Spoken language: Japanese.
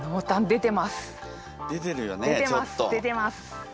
出てます。